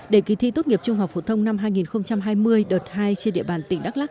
để kỳ thi tốt nghiệp trung học phổ thông năm hai nghìn hai mươi đợt hai trên địa bàn tỉnh đắk lắc